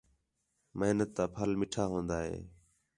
محنت تا پھل مِٹّھا ہون٘دا ہے